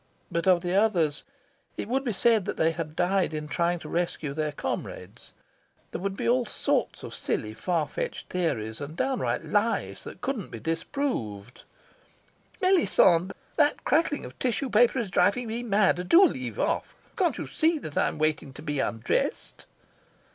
But of the others it would be said that they died in trying to rescue their comrades. There would be all sorts of silly far fetched theories, and downright lies that couldn't be disproved... "Melisande, that crackling of tissue paper is driving me mad! Do leave off! Can't you see that I am waiting to be undressed?"